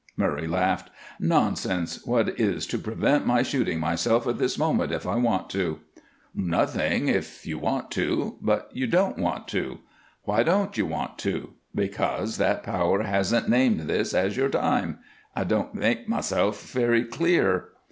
Murray laughed. "Nonsense! What is to prevent my shooting myself at this moment, if I want to?" "Nothing, if you want to but you don't want to. Why don't you want to? Because that Power hasn't named this as your time. I don't make myself very clear."